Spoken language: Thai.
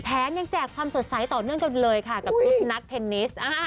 ยังแจกความสดใสต่อเนื่องกันเลยค่ะกับชุดนักเทนนิส